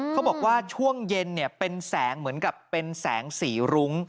เขาบอกว่าช่วงเย็นเป็นแสงเหมือนกับเป็นแสงสีรุ้ง